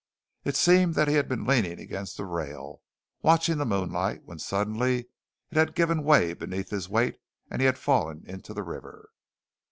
It seemed that he had been leaning against the rail, watching the moonlight, when suddenly it had given way beneath his weight and he had fallen into the river.